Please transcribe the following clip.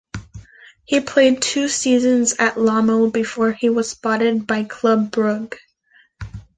He played two seasons at Lommel before he was spotted by Club Brugge.